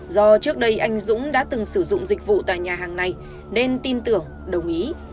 do trước đây anh dũng đã từng sử dụng dịch vụ tại nhà hàng này nên tin tưởng đồng ý